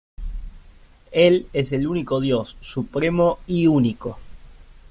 Él es el único Dios, supremo y único.